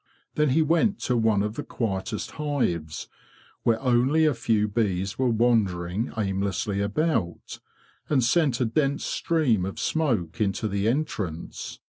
Then he went to one of the quietest hives, where only a few bees were wander ing aimlessly about, and sent a dense stream of smoke into the entrance.